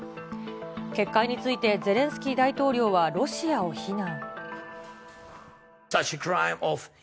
決壊について、ゼレンスキー大統領はロシアを非難。